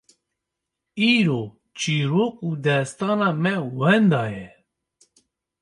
Îro çîrok û destana me wenda ye!